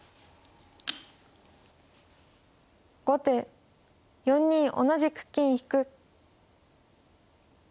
後手４二同じく金引。